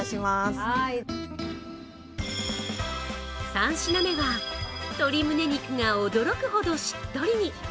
３品目は、鶏むね肉が驚くほどしっとりに。